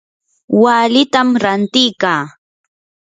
walitam rantikaa.